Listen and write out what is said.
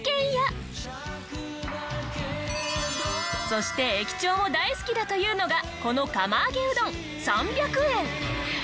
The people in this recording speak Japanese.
そして駅長も大好きだというのがこの釜揚げうどん３００円。